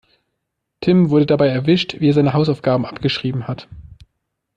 Tim wurde dabei erwischt, wie er seine Hausaufgaben abgeschrieben hat.